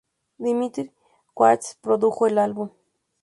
Dimitri Coats produjo el álbum.